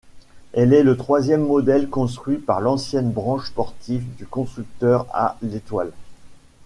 Elle est le troisième modèle construit par l'ancienne branche sportive du constructeur à l'étoile.